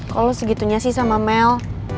kok lo segitunya sih sama mel